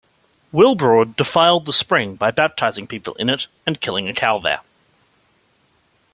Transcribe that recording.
Willebrord defiled the spring by baptizing people in it and killing a cow there.